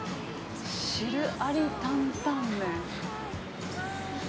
汁あり担々麺。